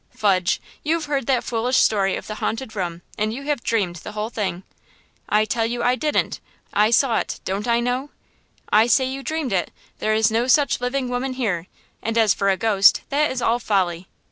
"Fudge! you've heard that foolish story of the haunted room, and you have dreamed the whole thing!" "I tell you I didn't! I saw it! Don't I know?" "I say you dreamed it! There is no such living woman here; and as for a ghost, that is all folly.